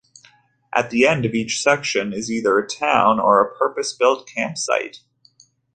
At the end of each section is either a town or a purpose-built campsite.